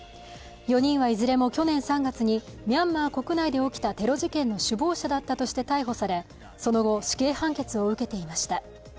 ４人はいずれも去年３月にミャンマー国内で起きたテロ事件の首謀者だったとして逮捕されその後死刑判決を受けていました。